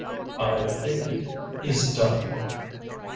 "I think it is DONE!